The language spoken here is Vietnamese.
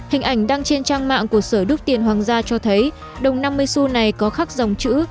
hình ảnh đăng trên trang mạng của sở đúc tiền hoàng gia cho thấy đồng năm mươi xu này có khắc dòng chữ